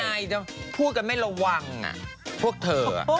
ก็ได้ยังไงพูดกันไม่ระวังพวกเธอ